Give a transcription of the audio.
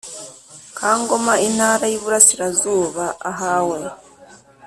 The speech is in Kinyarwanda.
ka Ngoma Intara y Iburasirazuba ahawe